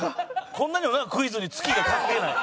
こんなにもなクイズに月が関係ない。